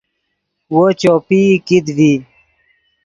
وو چوپئی کیت ڤی